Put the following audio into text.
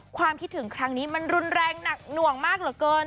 ความคิดถึงครั้งนี้มันรุนแรงหนักหน่วงมากเหลือเกิน